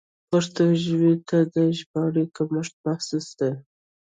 پښتو ژبې ته د ژباړې کمښت محسوس دی.